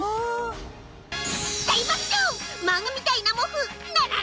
大爆笑！